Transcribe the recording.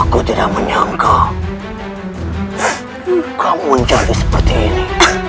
aku tidak menyangka kamu menjadi seperti ini